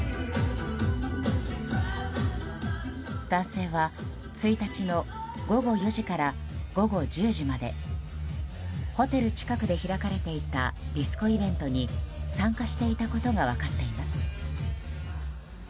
男性は１日の午後４時から午後１０時までホテル近くで開かれていたディスコイベントに参加していたことが分かっています。